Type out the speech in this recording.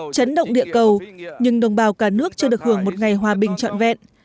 chấn động địa cầu nhưng đồng bào cả nước chưa được hưởng một ngày hòa bình trọn vẹn